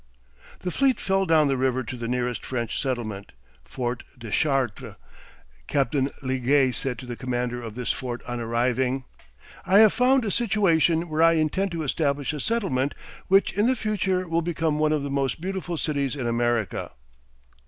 The fleet fell down the river to the nearest French settlement, Fort de Chartres. Captain Liguest said to the commander of this fort on arriving: "I have found a situation where I intend to establish a settlement which in the future will become one of the most beautiful cities in America."